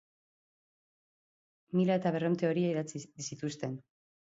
Mila eta berrehun teoria idatzi zituzten.